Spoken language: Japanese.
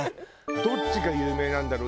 どっちが有名なんだろう？